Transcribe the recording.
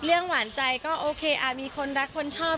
หวานใจก็โอเคมีคนรักคนชอบ